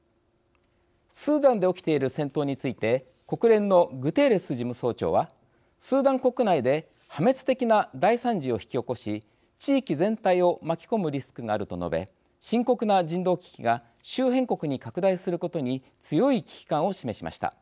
スーダンで起きている戦闘について国連のグテーレス事務総長は「スーダン国内で破滅的な大惨事を引き起こし地域全体を巻き込むリスクがある」と述べ深刻な人道危機が周辺国に拡大することに強い危機感を示しました。